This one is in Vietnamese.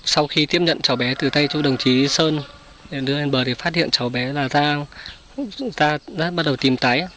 sau khi tiếp nhận cháu bé từ tay chú đồng chí sơn đưa lên bờ để phát hiện cháu bé là ra bắt đầu tìm tái